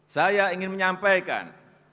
saya ingin menyampaikan